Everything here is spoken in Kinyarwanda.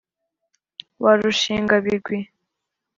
Wa Rushingabigwi